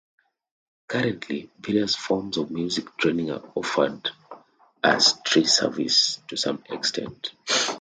Currently various forms of music training are offered as tri-service to some extent.